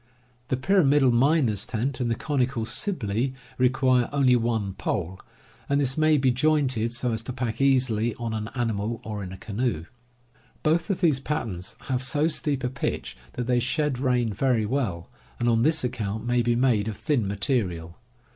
The pyramidal miner's tent, and the conical Sibley, require only one pole, and this may be jointed, so as to ^.,, pack easily on an animal or in a canoe. „.,., Both of these patterns have so steep a ^* pitch that they shed rain very well, and on this account may be made of thin material.